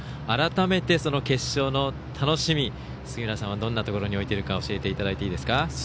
改めて決勝の楽しみ、杉浦さんはどんなところに置いているか教えていただいていいですか？